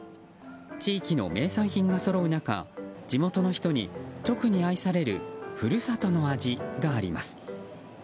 地域の名産品がそろう中地元の人に特に愛される故郷の味があります。